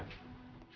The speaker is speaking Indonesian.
makasih dulu ya